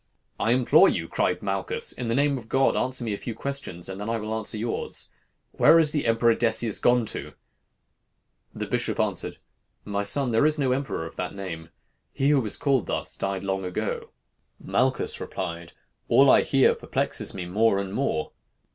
"'I implore you,' cried Malchus, 'in the name of God, answer me a few questions, and then I will answer yours. Where is the Emperor Decius gone to?' "The bishop answered, 'My son, there is no emperor of that name; he who was thus called died long ago.' "Malchus replied, 'All I hear perplexes me more and more.